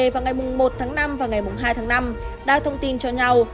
vào ngày mùng một tháng năm và ngày mùng hai tháng năm đã thông tin cho nhau